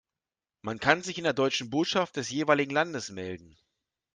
Man kann sich in der deutschen Botschaft des jeweiligen Landes melden.